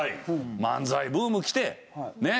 漫才ブーム来てねえ。